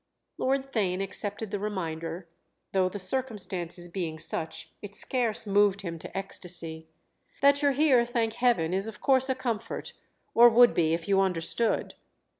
Lord Theign accepted the reminder, though, the circumstances being such, it scarce moved him to ecstasy. "That you're here, thank heaven, is of course a comfort—or would be if you understood."